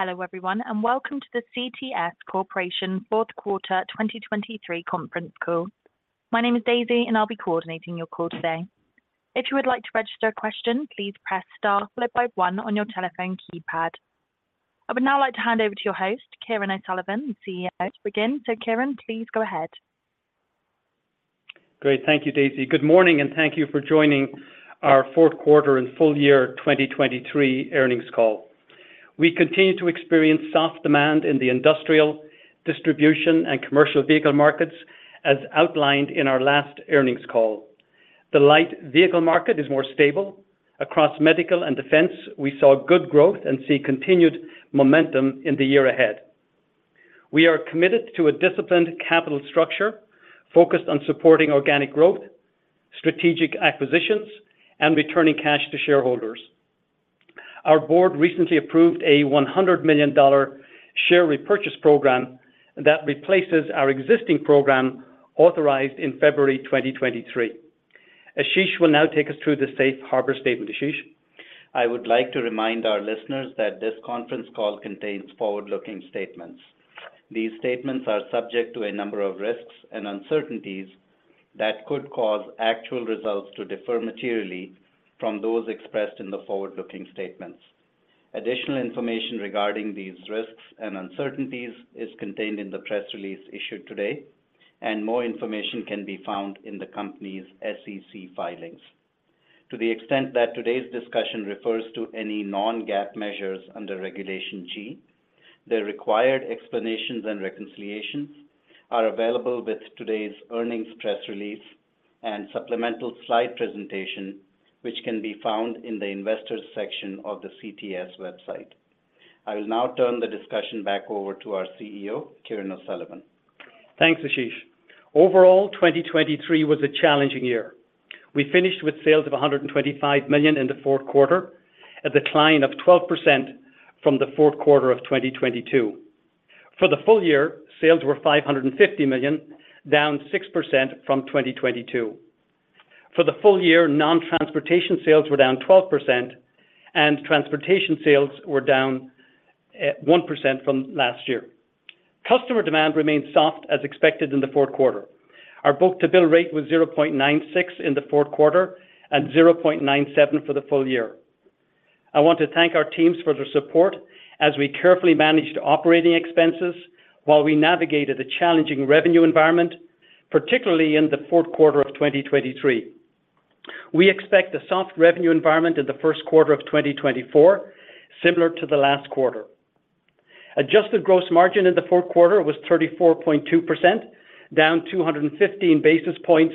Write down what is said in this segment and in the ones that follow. Hello, everyone, and welcome to the CTS Corporation Fourth Quarter 2023 conference call. My name is Daisy, and I'll be coordinating your call today. If you would like to register a question, please press star followed by one on your telephone keypad. I would now like to hand over to your host, Kieran O'Sullivan, the CEO, to begin. So, Kieran, please go ahead. Great. Thank you, Daisy. Good morning, and thank you for joining our fourth quarter and full year 2023 earnings call. We continue to experience soft demand in the industrial, distribution, and commercial vehicle markets, as outlined in our last earnings call. The light vehicle market is more stable. Across medical and defense, we saw good growth and see continued momentum in the year ahead. We are committed to a disciplined capital structure focused on supporting organic growth, strategic acquisitions, and returning cash to shareholders. Our board recently approved a $100 million share repurchase program that replaces our existing program authorized in February 2023. Ashish will now take us through the Safe Harbor statement. Ashish? I would like to remind our listeners that this conference call contains forward-looking statements. These statements are subject to a number of risks and uncertainties that could cause actual results to differ materially from those expressed in the forward-looking statements. Additional information regarding these risks and uncertainties is contained in the press release issued today, and more information can be found in the company's SEC filings. To the extent that today's discussion refers to any non-GAAP measures under Regulation G, the required explanations and reconciliations are available with today's earnings press release and supplemental slide presentation, which can be found in the Investors section of the CTS website. I will now turn the discussion back over to our CEO, Kieran O'Sullivan. Thanks, Ashish. Overall, 2023 was a challenging year. We finished with sales of $125 million in the fourth quarter, a decline of 12% from the fourth quarter of 2022. For the full year, sales were $550 million, down 6% from 2022. For the full year, non-transportation sales were down 12%, and transportation sales were down one percent from last year. Customer demand remained soft as expected in the fourth quarter. Our book-to-bill rate was 0.96 in the fourth quarter and 0.97 for the full year. I want to thank our teams for their support as we carefully managed operating expenses while we navigated a challenging revenue environment, particularly in the fourth quarter of 2023. We expect a soft revenue environment in the first quarter of 2024, similar to the last quarter. Adjusted gross margin in the fourth quarter was 34.2%, down 215 basis points,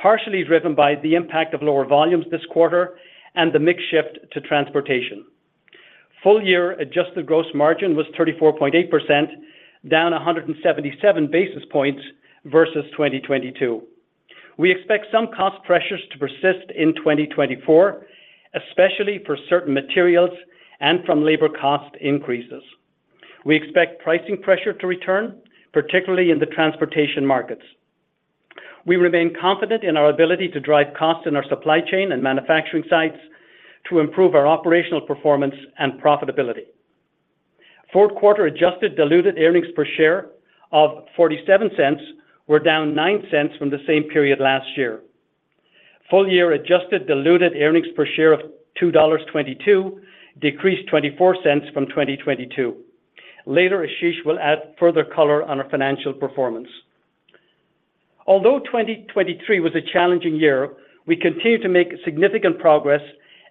partially driven by the impact of lower volumes this quarter and the mix shift to transportation. Full year adjusted gross margin was 34.8%, down 177 basis points versus 2022. We expect some cost pressures to persist in 2024, especially for certain materials and from labor cost increases. We expect pricing pressure to return, particularly in the transportation markets. We remain confident in our ability to drive costs in our supply chain and manufacturing sites to improve our operational performance and profitability. Fourth quarter adjusted diluted earnings per share of $0.47 were down $0.09 from the same period last year. Full year adjusted diluted earnings per share of $2.22, decreased $0.24 from 2022. Later, Ashish will add further color on our financial performance. Although 2023 was a challenging year, we continued to make significant progress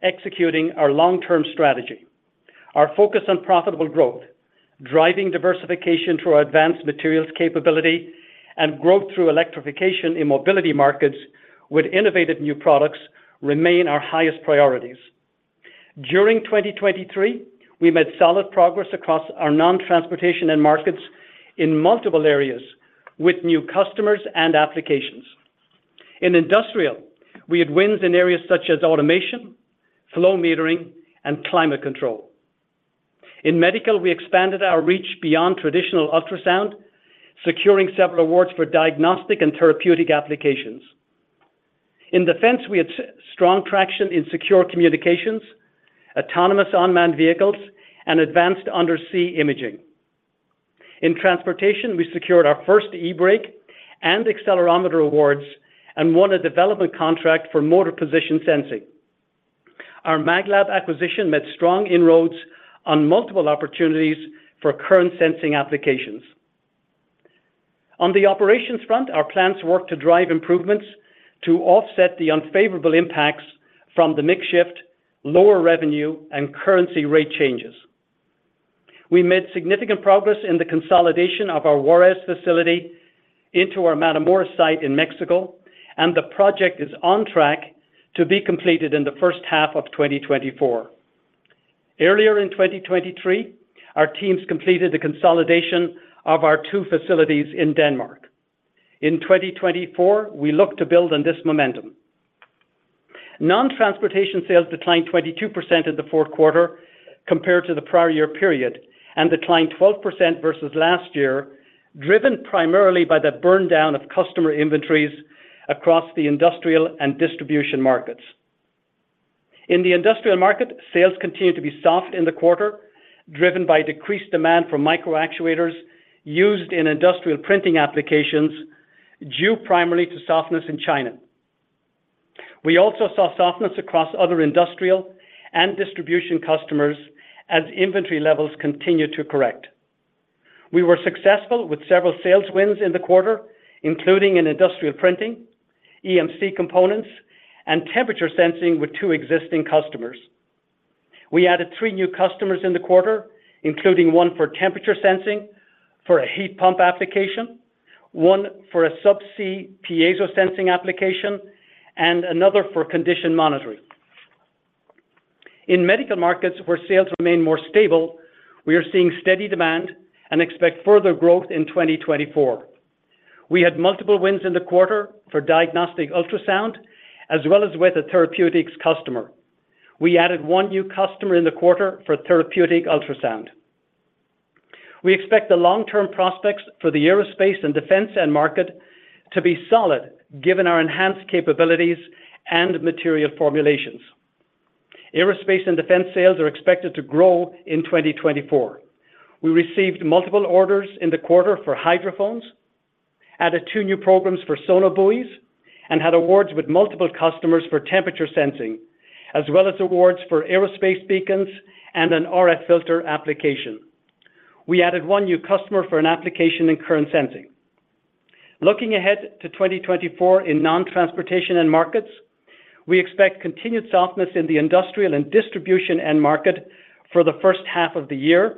executing our long-term strategy. Our focus on profitable growth, driving diversification through our advanced materials capability, and growth through electrification in mobility markets with innovative new products remain our highest priorities. During 2023, we made solid progress across our non-transportation end markets in multiple areas with new customers and applications. In industrial, we had wins in areas such as automation, flow metering, and climate control. In medical, we expanded our reach beyond traditional ultrasound, securing several awards for diagnostic and therapeutic applications. In defense, we had strong traction in secure communications, autonomous unmanned vehicles, and advanced undersea imaging. In transportation, we secured our first e-brake and accelerometer awards and won a development contract for motor position sensing. Our Maglab acquisition made strong inroads on multiple opportunities for current sensing applications. On the operations front, our plants work to drive improvements to offset the unfavorable impacts from the mix shift, lower revenue, and currency rate changes. We made significant progress in the consolidation of our Juárez facility into our Matamoros site in Mexico, and the project is on track to be completed in the first half of 2024. Earlier in 2023, our teams completed the consolidation of our two facilities in Denmark. In 2024, we look to build on this momentum. Non-transportation sales declined 22% in the fourth quarter compared to the prior year period and declined 12% versus last year, driven primarily by the burn down of customer inventories across the industrial and distribution markets. In the industrial market, sales continued to be soft in the quarter, driven by decreased demand for microactuators used in industrial printing applications, due primarily to softness in China. We also saw softness across other industrial and distribution customers as inventory levels continue to correct. We were successful with several sales wins in the quarter, including in industrial printing, EMC components, and temperature sensing with two existing customers. We added three new customers in the quarter, including one for temperature sensing for a heat pump application, one for a subsea piezo sensing application, and another for condition monitoring. In medical markets, where sales remain more stable, we are seeing steady demand and expect further growth in 2024. We had multiple wins in the quarter for diagnostic ultrasound, as well as with a therapeutics customer. We added one new customer in the quarter for therapeutic ultrasound. We expect the long-term prospects for the aerospace and defense end market to be solid, given our enhanced capabilities and material formulations. Aerospace and defense sales are expected to grow in 2024. We received multiple orders in the quarter for hydrophones, added two new programs for sonobuoys, and had awards with multiple customers for temperature sensing, as well as awards for aerospace beacons and an RF filter application. We added one new customer for an application in current sensing. Looking ahead to 2024 in non-transportation end markets, we expect continued softness in the industrial and distribution end market for the first half of the year,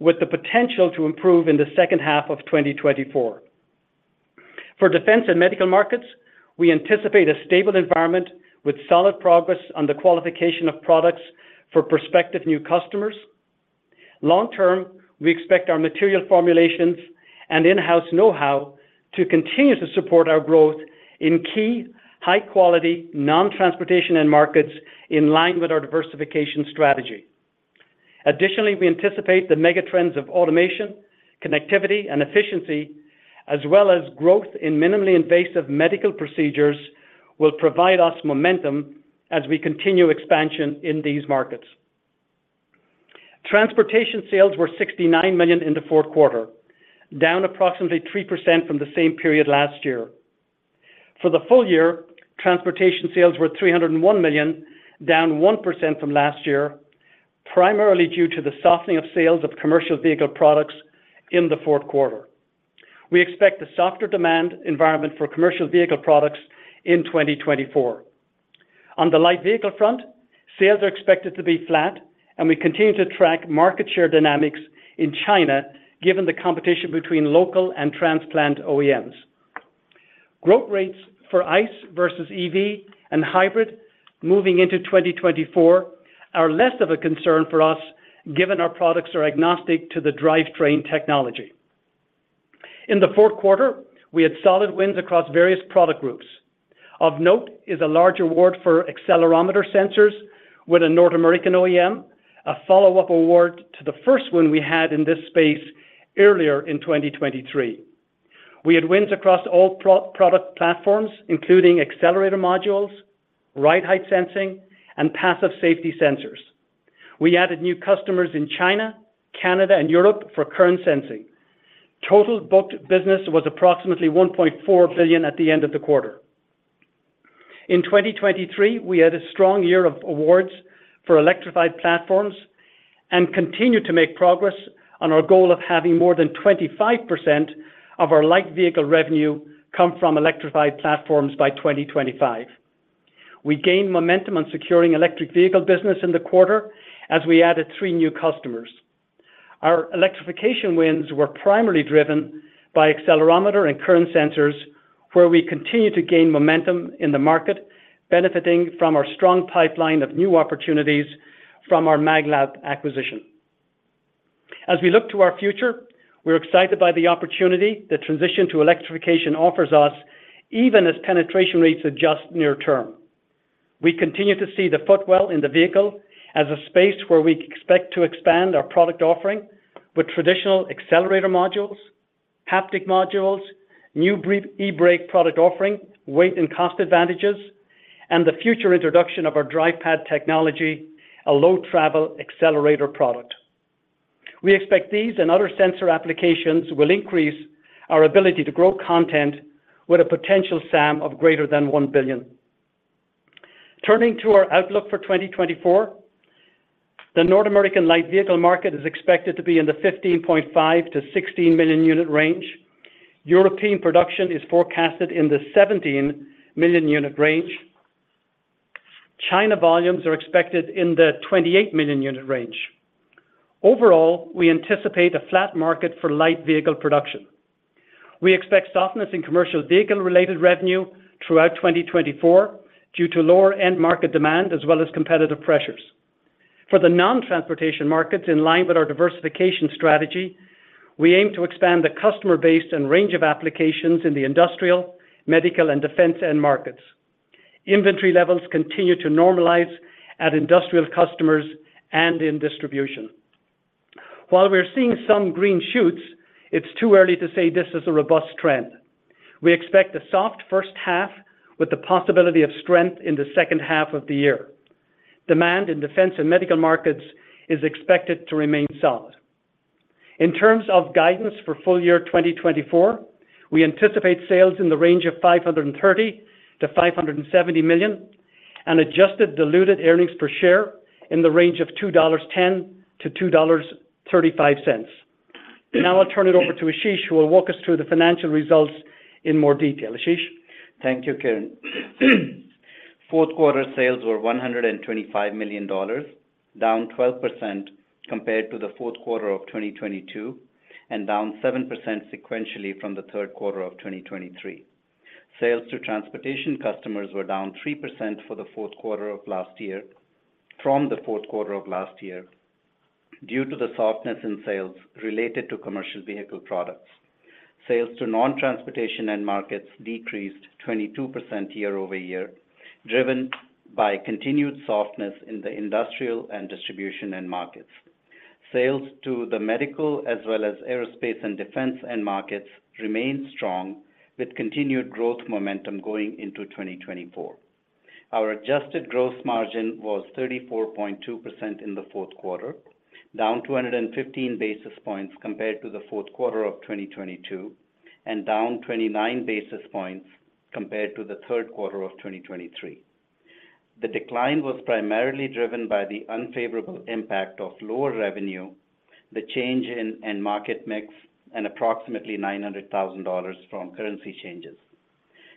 with the potential to improve in the second half of 2024. For defense and medical markets, we anticipate a stable environment with solid progress on the qualification of products for prospective new customers. Long term, we expect our material formulations and in-house know-how to continue to support our growth in key, high-quality, non-transportation end markets in line with our diversification strategy. Additionally, we anticipate the megatrends of automation, connectivity, and efficiency, as well as growth in minimally invasive medical procedures, will provide us momentum as we continue expansion in these markets. Transportation sales were $69 million in the fourth quarter, down approximately 3% from the same period last year. For the full year, transportation sales were $301 million, down 1% from last year, primarily due to the softening of sales of commercial vehicle products in the fourth quarter. We expect a softer demand environment for commercial vehicle products in 2024. On the light vehicle front, sales are expected to be flat, and we continue to track market share dynamics in China, given the competition between local and transplant OEMs. Growth rates for ICE versus EV and hybrid moving into 2024 are less of a concern for us, given our products are agnostic to the drivetrain technology. In the fourth quarter, we had solid wins across various product groups. Of note is a large award for accelerometer sensors with a North American OEM, a follow-up award to the first one we had in this space earlier in 2023. We had wins across all product platforms, including accelerator modules, ride height sensing, and passive safety sensors. We added new customers in China, Canada, and Europe for current sensing. Total booked business was approximately $1.4 billion at the end of the quarter. In 2023, we had a strong year of awards for electrified platforms and continued to make progress on our goal of having more than 25% of our light vehicle revenue come from electrified platforms by 2025. We gained momentum on securing electric vehicle business in the quarter as we added three new customers. Our electrification wins were primarily driven by accelerometer and current sensors, where we continue to gain momentum in the market, benefiting from our strong pipeline of new opportunities from our Maglab acquisition. As we look to our future, we're excited by the opportunity the transition to electrification offers us, even as penetration rates adjust near term. We continue to see the footwell in the vehicle as a space where we expect to expand our product offering with traditional accelerator modules, haptic modules, new eBrake product offering, weight and cost advantages, and the future introduction of our DrivePad technology, a low travel accelerator product. We expect these and other sensor applications will increase our ability to grow content with a potential SAM of greater than $1 billion. Turning to our outlook for 2024, the North American light vehicle market is expected to be in the 15.5-16 million unit range. European production is forecasted in the 17 million unit range. China volumes are expected in the 28 million unit range. Overall, we anticipate a flat market for light vehicle production. We expect softness in commercial vehicle-related revenue throughout 2024 due to lower end market demand, as well as competitive pressures. For the non-transportation markets, in line with our diversification strategy, we aim to expand the customer base and range of applications in the industrial, medical, and defense end markets. Inventory levels continue to normalize at industrial customers and in distribution. While we're seeing some green shoots, it's too early to say this is a robust trend. We expect a soft first half with the possibility of strength in the second half of the year. Demand in defense and medical markets is expected to remain solid. In terms of guidance for full year 2024, we anticipate sales in the range of $530 million-$570 million, and adjusted diluted earnings per share in the range of $2.10-$2.35. Now I'll turn it over to Ashish, who will walk us through the financial results in more detail. Ashish? Thank you, Kieran. Fourth quarter sales were $125 million, down 12% compared to the fourth quarter of 2022, and down 7% sequentially from the third quarter of 2023. Sales to transportation customers were down 3% for the fourth quarter of last year, from the fourth quarter of last year, due to the softness in sales related to commercial vehicle products. Sales to non-transportation end markets decreased 22% year-over-year, driven by continued softness in the industrial and distribution end markets. Sales to the medical, as well as aerospace and defense end markets, remained strong, with continued growth momentum going into 2024. Our adjusted gross margin was 34.2% in the fourth quarter, down 215 basis points compared to the fourth quarter of 2022, and down 29 basis points compared to the third quarter of 2023. The decline was primarily driven by the unfavorable impact of lower revenue, the change in end market mix, and approximately $900,000 from currency changes.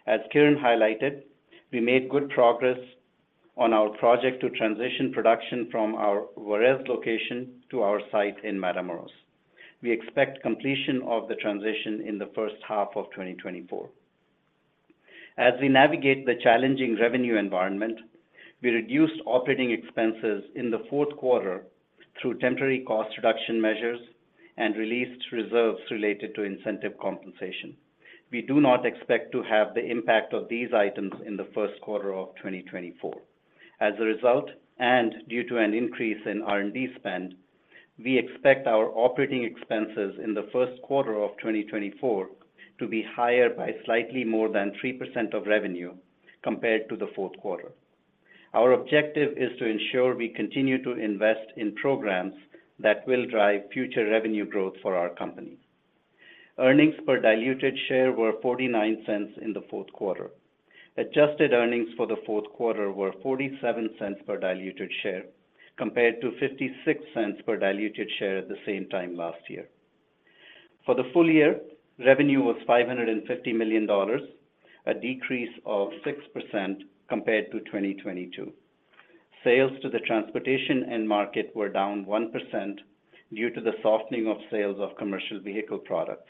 As Kieran highlighted, we made good progress on our project to transition production from our Juárez location to our site in Matamoros. We expect completion of the transition in the first half of 2024. As we navigate the challenging revenue environment, we reduced operating expenses in the fourth quarter through temporary cost reduction measures and released reserves related to incentive compensation. We do not expect to have the impact of these items in the first quarter of 2024. As a result, and due to an increase in R&D spend, we expect our operating expenses in the first quarter of 2024 to be higher by slightly more than 3% of revenue compared to the fourth quarter. Our objective is to ensure we continue to invest in programs that will drive future revenue growth for our company. Earnings per diluted share were $0.49 in the fourth quarter. Adjusted earnings for the fourth quarter were $0.47 per diluted share, compared to $0.56 per diluted share at the same time last year. For the full year, revenue was $550 million, a decrease of 6% compared to 2022. Sales to the transportation end market were down 1% due to the softening of sales of commercial vehicle products.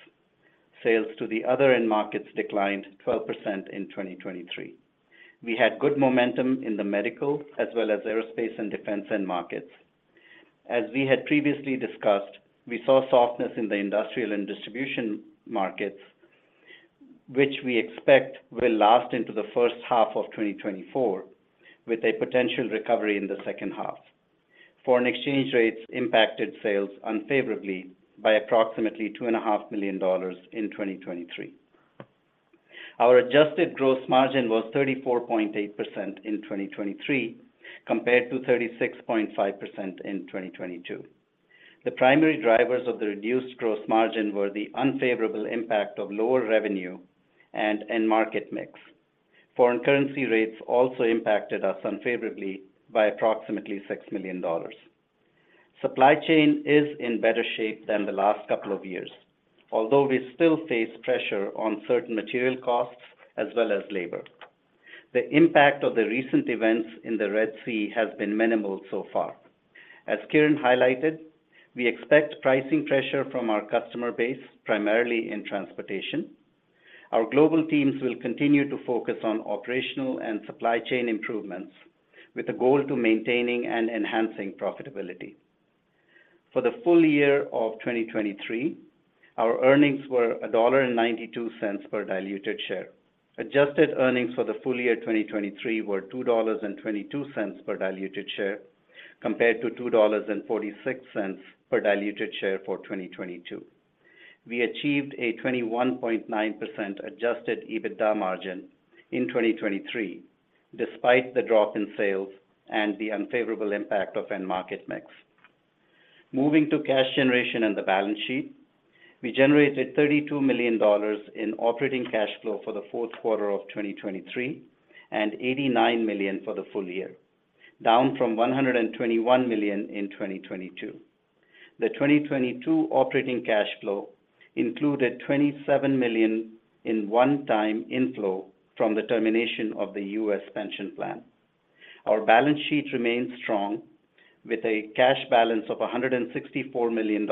Sales to the other end markets declined 12% in 2023. We had good momentum in the medical, as well as aerospace and defense end markets. As we had previously discussed, we saw softness in the industrial and distribution markets, which we expect will last into the first half of 2024, with a potential recovery in the second half. Foreign exchange rates impacted sales unfavorably by approximately $2.5 million in 2023. Our adjusted gross margin was 34.8% in 2023, compared to 36.5% in 2022. The primary drivers of the reduced gross margin were the unfavorable impact of lower revenue and end market mix. Foreign currency rates also impacted us unfavorably by approximately $6 million. Supply chain is in better shape than the last couple of years, although we still face pressure on certain material costs as well as labor. The impact of the recent events in the Red Sea has been minimal so far. As Kieran highlighted, we expect pricing pressure from our customer base, primarily in transportation. Our global teams will continue to focus on operational and supply chain improvements, with a goal to maintaining and enhancing profitability. For the full year of 2023, our earnings were $1.92 per diluted share. Adjusted earnings for the full year 2023 were $2.22 per diluted share, compared to $2.46 per diluted share for 2022. We achieved a 21.9% adjusted EBITDA margin in 2023, despite the drop in sales and the unfavorable impact of end market mix. Moving to cash generation and the balance sheet, we generated $32 million in operating cash flow for the fourth quarter of 2023, and $89 million for the full year, down from $121 million in 2022. The 2022 operating cash flow included $27 million in one-time inflow from the termination of the U.S. pension plan. Our balance sheet remains strong, with a cash balance of $164 million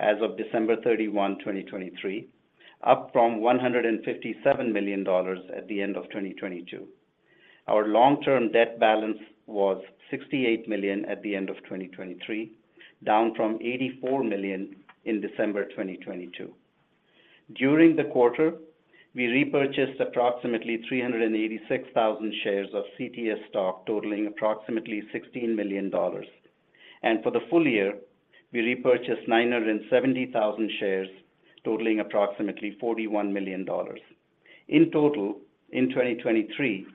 as of December 31, 2023, up from $157 million at the end of 2022. Our long-term debt balance was $68 million at the end of 2023, down from $84 million in December 2022. During the quarter, we repurchased approximately 386,000 shares of CTS stock, totaling approximately $16 million. For the full year, we repurchased 970,000 shares, totaling approximately $41 million. In total, in 2023,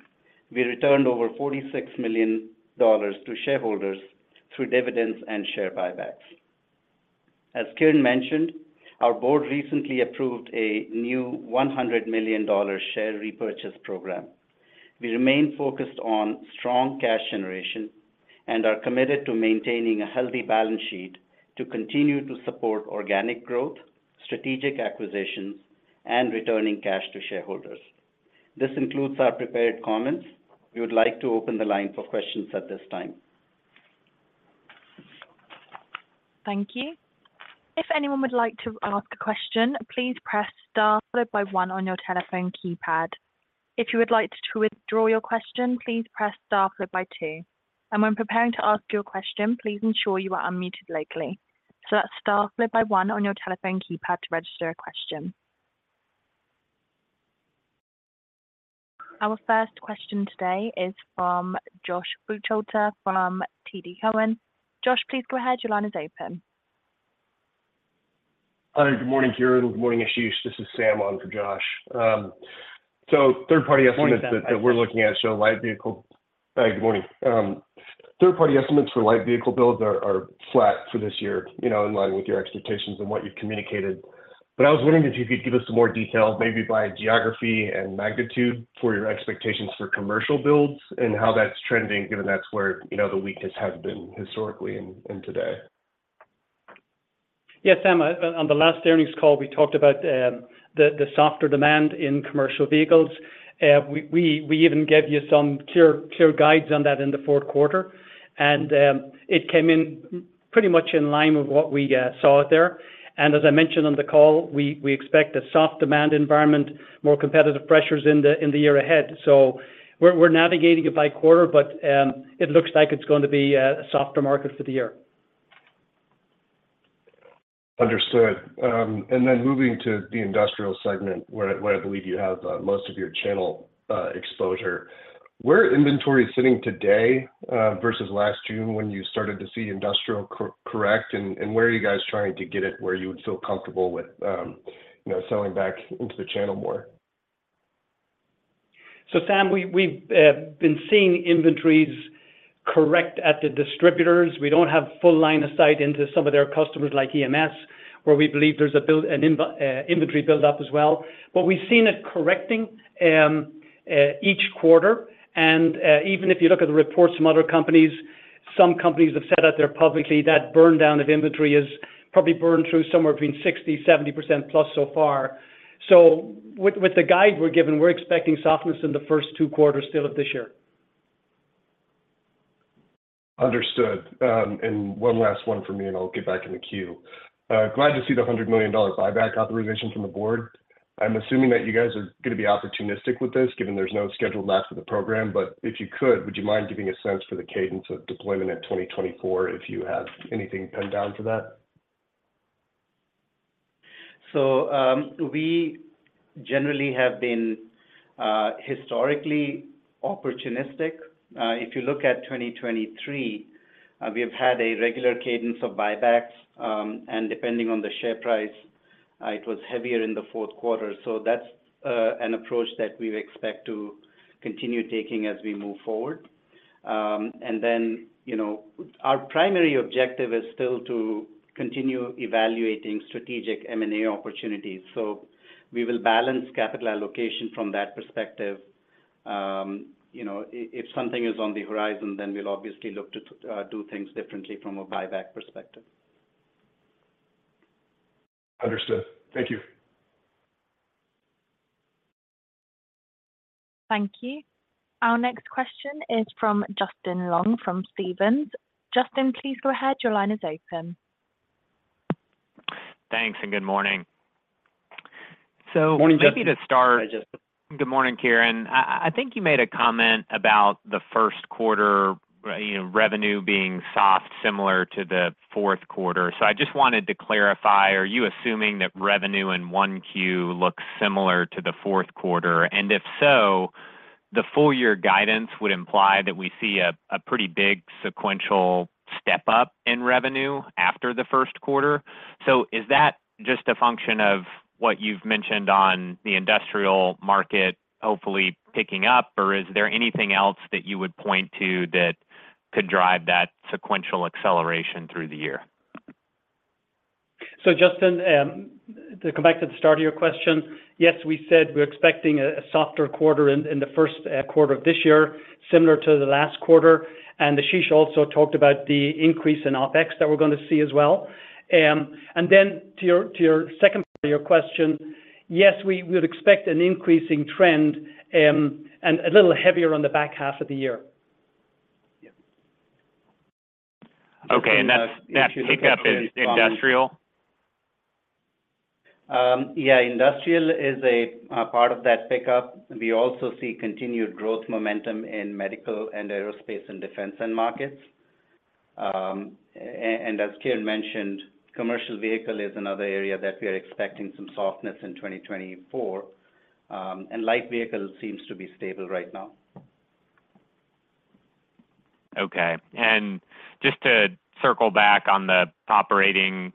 we returned over $46 million to shareholders through dividends and share buybacks. As Kieran mentioned, our board recently approved a new $100 million share repurchase program. We remain focused on strong cash generation and are committed to maintaining a healthy balance sheet to continue to support organic growth, strategic acquisitions, and returning cash to shareholders. This concludes our prepared comments. We would like to open the line for questions at this time. Thank you. If anyone would like to ask a question, please press star followed by one on your telephone keypad. If you would like to withdraw your question, please press star followed by two. When preparing to ask your question, please ensure you are unmuted locally. So that's star followed by one on your telephone keypad to register a question. Our first question today is from Joshua Buchalter from TD Cowen. Joshua, please go ahead. Your line is open. Hi, good morning, Kieran. Good morning, Ashish. This is Sam on for Josh. So third-party estimates Morning, Sam That we're looking at show light vehicle— Hi, good morning. Third-party estimates for light vehicle builds are flat for this year, you know, in line with your expectations and what you've communicated. But I was wondering if you could give us some more detail, maybe by geography and magnitude, for your expectations for commercial builds and how that's trending, given that's where, you know, the weakness has been historically and today. Yes, Sam, on the last earnings call, we talked about the softer demand in commercial vehicles. We even gave you some clear guides on that in the fourth quarter, and it came in pretty much in line with what we saw there. And as I mentioned on the call, we expect a soft demand environment, more competitive pressures in the year ahead. So we're navigating it by quarter, but it looks like it's going to be a softer market for the year. Understood. And then moving to the industrial segment, where I believe you have most of your channel exposure. Where are inventories sitting today versus last June when you started to see industrial correction, and where are you guys trying to get it, where you would feel comfortable with, you know, selling back into the channel more? So Sam, we've been seeing inventories correct at the distributors. We don't have full line of sight into some of their customers, like EMS, where we believe there's an inventory buildup as well. But we've seen it correcting each quarter. And even if you look at the reports from other companies, some companies have said out there publicly that burn down of inventory is probably burned through somewhere between 60, 70%+ so far. So with the guide we're given, we're expecting softness in the first two quarters still of this year. Understood. One last one from me, and I'll get back in the queue. Glad to see the $100 million buyback authorization from the board. I'm assuming that you guys are gonna be opportunistic with this, given there's no schedule left for the program. But if you could, would you mind giving a sense for the cadence of deployment in 2024, if you have anything pinned down for that? We generally have been historically opportunistic. If you look at 2023, we have had a regular cadence of buybacks, and depending on the share price, it was heavier in the fourth quarter. So that's an approach that we expect to continue taking as we move forward. And then, you know, our primary objective is still to continue evaluating strategic M&A opportunities. So we will balance capital allocation from that perspective. You know, if something is on the horizon, then we'll obviously look to do things differently from a buyback perspective. Understood. Thank you. Thank you. Our next question is from Justin Long, from Stephens. Justin, please go ahead. Your line is open. Thanks, and good morning. Morning, Justin Maybe to start- Hi, Justin. Good morning, Kieran. I think you made a comment about the first quarter, you know, revenue being soft, similar to the fourth quarter. So I just wanted to clarify, are you assuming that revenue in 1Q looks similar to the fourth quarter? And if so, the full year guidance would imply that we see a pretty big sequential step up in revenue after the first quarter. So is that just a function of what you've mentioned on the industrial market, hopefully picking up? Or is there anything else that you would point to that could drive that sequential acceleration through the year? So, Justin, to come back to the start of your question, yes, we said we're expecting a softer quarter in the first quarter of this year, similar to the last quarter. And Ashish also talked about the increase in OpEx that we're going to see as well. And then to your second part of your question, yes, we would expect an increasing trend, and a little heavier on the back half of the year. Okay, and that pick up is industrial? Yeah, industrial is a part of that pickup. We also see continued growth momentum in medical and aerospace and defense end markets, and as Kieran mentioned, commercial vehicle is another area that we are expecting some softness in 2024. And light vehicle seems to be stable right now. Okay. Just to circle back on the operating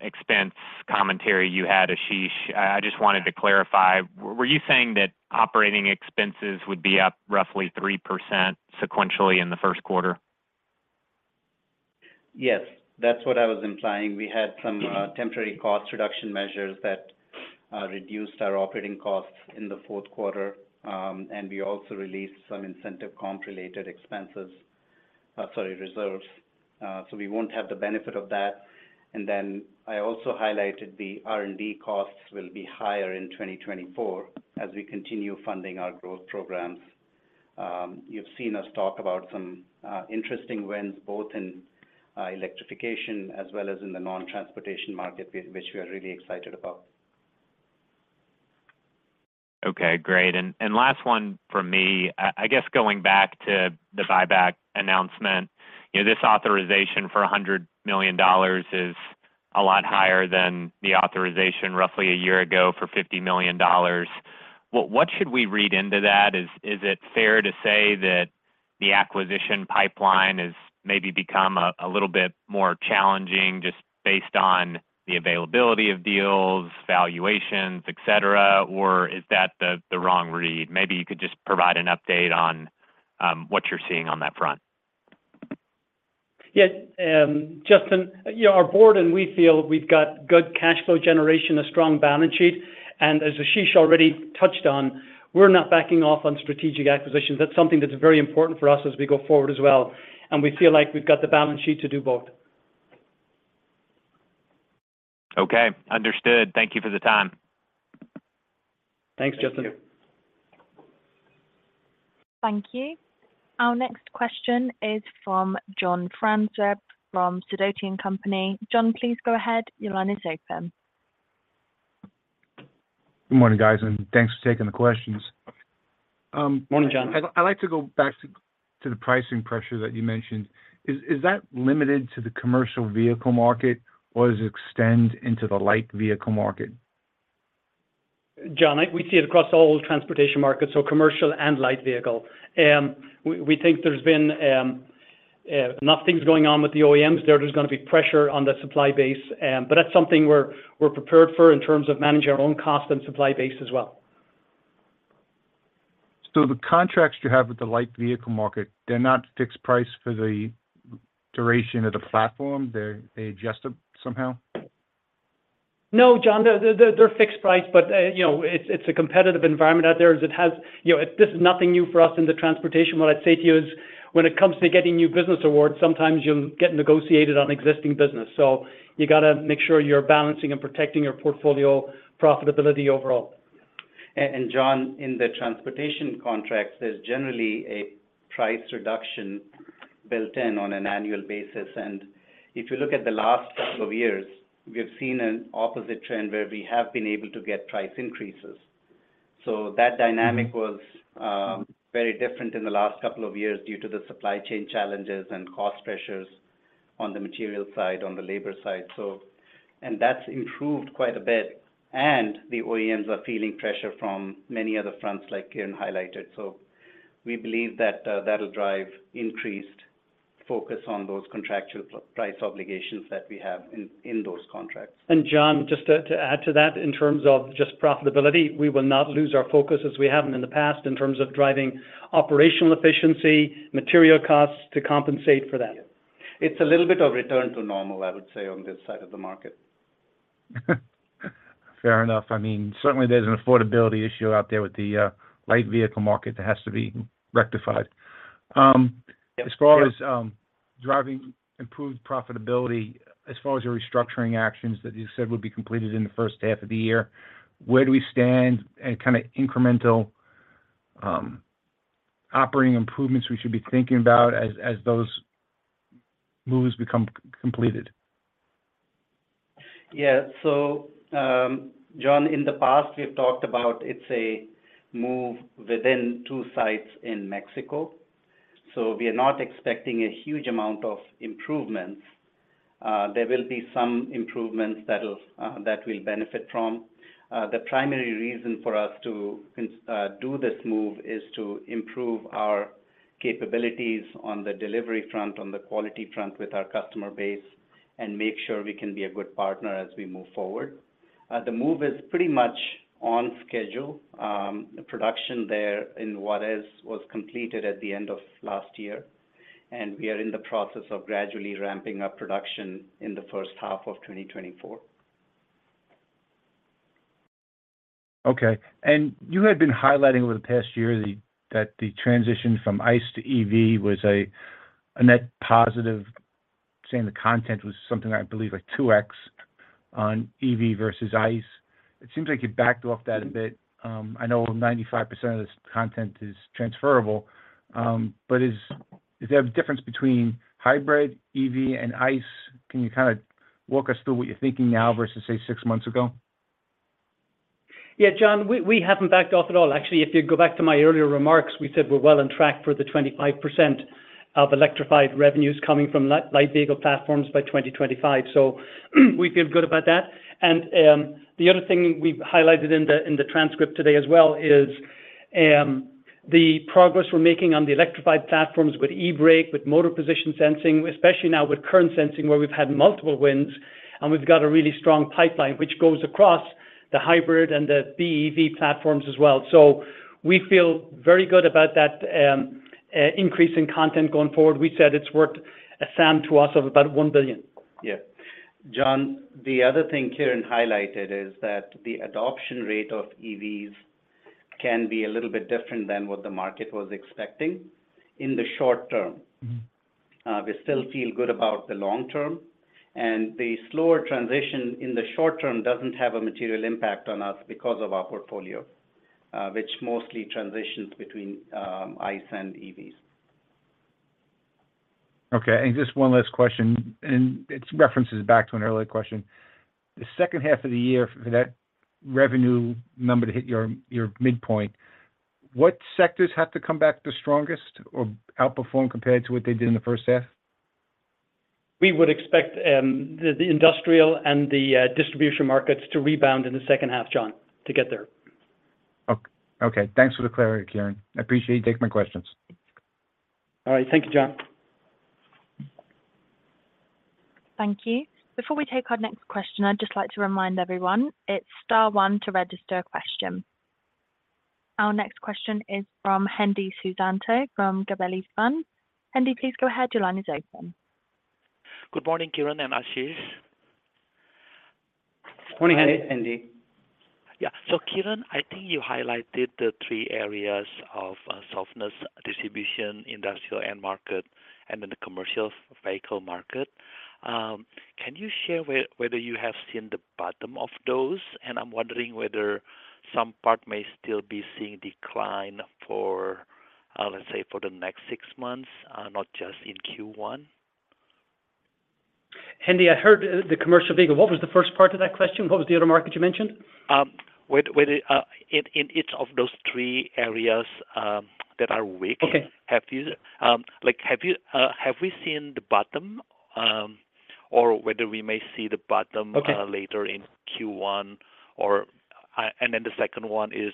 expense commentary you had, Ashish, I just wanted to clarify: were you saying that operating expenses would be up roughly 3% sequentially in the first quarter? Yes, that's what I was implying. We had some temporary cost reduction measures that reduced our operating costs in the fourth quarter. And we also released some incentive comp related expenses, sorry, reserves. So we won't have the benefit of that. And then I also highlighted the R&D costs will be higher in 2024 as we continue funding our growth programs. You've seen us talk about some interesting wins, both in electrification as well as in the non-transportation market, which we are really excited about. Okay, great. And, and last one from me. I, I guess going back to the buyback announcement, you know, this authorization for $100 million is a lot higher than the authorization roughly a year ago for $50 million. What, what should we read into that? Is, is it fair to say that the acquisition pipeline has maybe become a, a little bit more challenging just based on the availability of deals, valuations, et cetera, or is that the, the wrong read? Maybe you could just provide an update on what you're seeing on that front. Yeah, Justin, you know, our board, and we feel we've got good cash flow generation, a strong balance sheet, and as Ashish already touched on, we're not backing off on strategic acquisitions. That's something that's very important for us as we go forward as well, and we feel like we've got the balance sheet to do both. Okay, understood. Thank you for the time. Thanks, Justin. Thank you. Our next question is from John Franzreb from Sidoti & Company. John, please go ahead. Your line is open. Good morning, guys, and thanks for taking the questions. Morning, John. I'd like to go back to the pricing pressure that you mentioned. Is that limited to the commercial vehicle market, or does it extend into the light vehicle market? John, we see it across all transportation markets, so commercial and light vehicle. We think there's been enough things going on with the OEMs, there's just gonna be pressure on the supply base. But that's something we're prepared for in terms of managing our own cost and supply base as well. The contracts you have with the light vehicle market, they're not fixed price for the duration of the platform, they're, they adjust them somehow? No, John, they're fixed price, but, you know, it's a competitive environment out there, as it has. You know, this is nothing new for us in the transportation. What I'd say to you is, when it comes to getting new business awards, sometimes you'll get negotiated on existing business. So you got to make sure you're balancing and protecting your portfolio profitability overall. John, in the transportation contracts, there's generally a price reduction built in on an annual basis, and if you look at the last couple of years, we've seen an opposite trend, where we have been able to get price increases. So that dynamic was very different in the last couple of years due to the supply chain challenges and cost pressures on the material side, on the labor side. And that's improved quite a bit, and the OEMs are feeling pressure from many other fronts, like Kieran highlighted. So we believe that that'll drive increased focus on those contractual price obligations that we have in those contracts. John, just to add to that, in terms of just profitability, we will not lose our focus as we haven't in the past, in terms of driving operational efficiency, material costs to compensate for that. It's a little bit of return to normal, I would say, on this side of the market. Fair enough. I mean, certainly there's an affordability issue out there with the light vehicle market that has to be rectified. Yes.. As far as driving improved profitability, as far as your restructuring actions that you said would be completed in the first half of the year, where do we stand and kind of incremental operating improvements we should be thinking about as those moves become completed? Yeah. So, John, in the past, we've talked about it's a move within two sites in Mexico, so we are not expecting a huge amount of improvements. There will be some improvements that we'll benefit from. The primary reason for us to do this move is to improve our capabilities on the delivery front, on the quality front with our customer base, and make sure we can be a good partner as we move forward. The move is pretty much on schedule. The production there in Juárez was completed at the end of last year, and we are in the process of gradually ramping up production in the first half of 2024. Okay. And you had been highlighting over the past year, that the transition from ICE to EV was a net positive, saying the content was something, I believe, like 2x on EV versus ICE. It seems like you backed off that a bit. I know 95% of this content is transferable, but is there a difference between hybrid, EV, and ICE? Can you kind of walk us through what you're thinking now versus, say, six months ago? Yeah, John, we, we haven't backed off at all. Actually, if you go back to my earlier remarks, we said we're well on track for the 25% of electrified revenues coming from light vehicle platforms by 2025. So we feel good about that. The other thing we've highlighted in the transcript today as well is the progress we're making on the electrified platforms with eBrake, with motor position sensing, especially now with current sensing, where we've had multiple wins, and we've got a really strong pipeline, which goes across the hybrid and the BEV platforms as well. So we feel very good about that increase in content going forward. We said it's worth a sum to us of about $1 billion. Yeah. John, the other thing Kieran highlighted is that the adoption rate of EVs can be a little bit different than what the market was expecting in the short term. We still feel good about the long term, and the slower transition in the short term doesn't have a material impact on us because of our portfolio, which mostly transitions between ICE and EVs. Okay, and just one last question, and it references back to an earlier question. The second half of the year, for that revenue number to hit your, your midpoint, what sectors have to come back the strongest or outperform compared to what they did in the first half? We would expect the industrial and the distribution markets to rebound in the second half, John, to get there. Okay. Thanks for the clarity, Kieran. I appreciate you taking my questions. All right. Thank you, John. Thank you. Before we take our next question, I'd just like to remind everyone, it's star one to register a question. Our next question is from Hendy Susanto, from Gabelli Funds. Hendy, please go ahead. Your line is open. Good morning, Kieran and Ashish. Morning, Hendy. Hi, Hendy. Yeah. So, Kieran, I think you highlighted the three areas of softness, distribution, industrial end market, and then the commercial vehicle market. Can you share whether you have seen the bottom of those? And I'm wondering whether some part may still be seeing decline for, let's say, for the next six months, not just in Q1. Hendy, I heard, the commercial vehicle. What was the first part of that question? What was the other market you mentioned? Whether in each of those three areas that are weak- Okay Have you, like, have you, have we seen the bottom, or whether we may see the bottom later in Q1? Or, and then the second one is,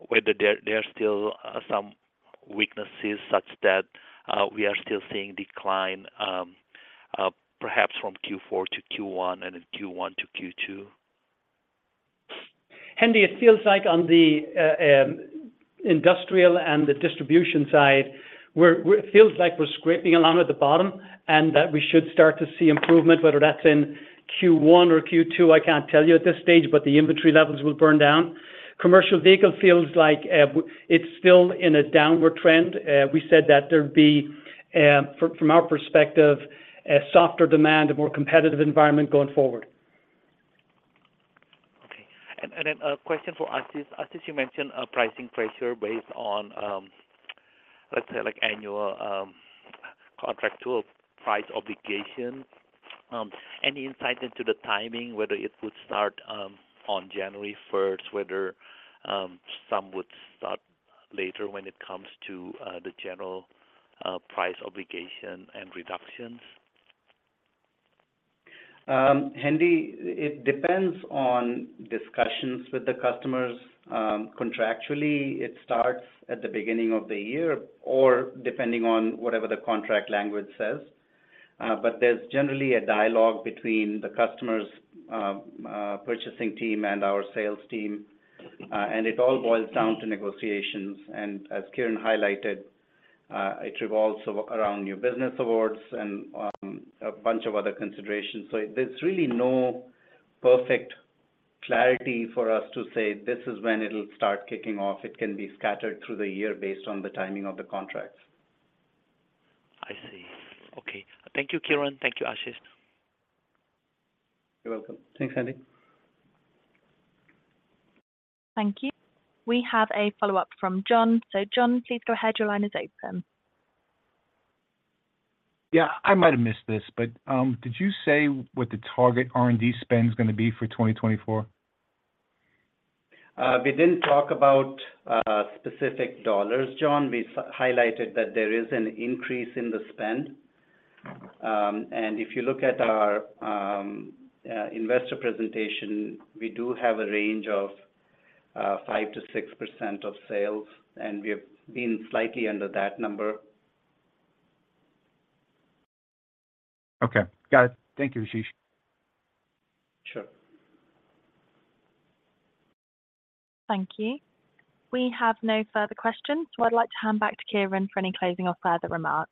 whether there are still some weaknesses such that we are still seeing decline, perhaps from Q4 to Q1 and in Q1 to Q2. Hendy, it feels like on the industrial and the distribution side, we're scraping along at the bottom, and that we should start to see improvement, whether that's in Q1 or Q2, I can't tell you at this stage, but the inventory levels will burn down. Commercial vehicle feels like it's still in a downward trend. We said that there'd be from our perspective, a softer demand, a more competitive environment going forward. Okay. And then a question for Ashish. Ashish, you mentioned a pricing pressure based on, let's say, like, annual, contract to a price obligation. Any insight into the timing, whether it would start, on January first, whether, some would start later when it comes to, the general, price obligation and reductions? Hendy, it depends on discussions with the customers. Contractually, it starts at the beginning of the year, or depending on whatever the contract language says. But there's generally a dialogue between the customer's purchasing team and our sales team, and it all boils down to negotiations. And as Kieran highlighted, it revolves around new business awards and a bunch of other considerations. So there's really no perfect clarity for us to say, "This is when it'll start kicking off." It can be scattered through the year based on the timing of the contracts. I see. Okay. Thank you, Kieran. Thank you, Ashish. You're welcome. Thanks, Hendy. Thank you. We have a follow-up from John. So, John, please go ahead. Your line is open. Yeah, I might have missed this, but did you say what the target R&D spend is gonna be for 2024? We didn't talk about specific dollars, John. We highlighted that there is an increase in the spend. If you look at our investor presentation, we do have a range of 5%-6% of sales, and we have been slightly under that number. Okay, got it. Thank you, Ashish. Sure. Thank you. We have no further questions, so I'd like to hand back to Kieran for any closing or further remarks.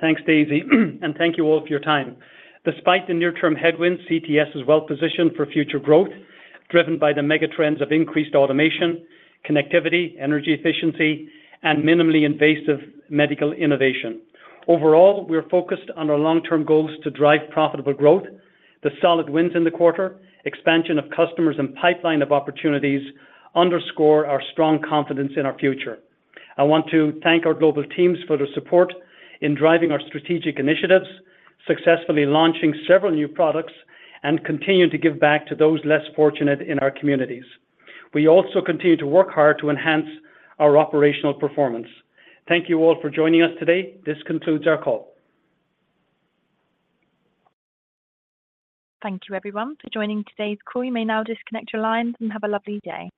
Thanks, Daisy, and thank you all for your time. Despite the near-term headwinds, CTS is well positioned for future growth, driven by the mega trends of increased automation, connectivity, energy efficiency, and minimally invasive medical innovation. Overall, we're focused on our long-term goals to drive profitable growth. The solid wins in the quarter, expansion of customers, and pipeline of opportunities underscore our strong confidence in our future. I want to thank our global teams for their support in driving our strategic initiatives, successfully launching several new products, and continuing to give back to those less fortunate in our communities. We also continue to work hard to enhance our operational performance. Thank you all for joining us today. This concludes our call. Thank you, everyone, for joining today's call. You may now disconnect your lines and have a lovely day.